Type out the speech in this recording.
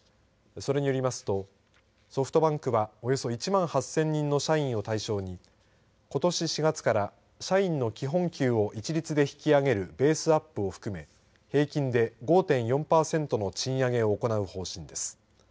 それによりますとソフトバンクはおよそ１万８０００人の社員を対象にことし４月から社員の基本給を一律で引き上げるベースアップを含め平均で５．４パーセントの賃上げを行う方針です。